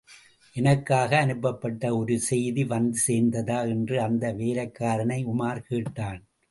எனக்காக அனுப்பப்பட்ட ஒருசெய்தி வந்து சேர்ந்ததா? என்று அந்த வேலைக்காரனை உமார் கேட்டான்.